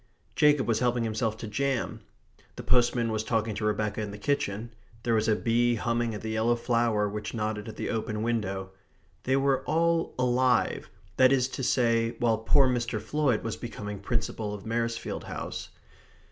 Jacob was helping himself to jam; the postman was talking to Rebecca in the kitchen; there was a bee humming at the yellow flower which nodded at the open window. They were all alive, that is to say, while poor Mr. Floyd was becoming Principal of Maresfield House.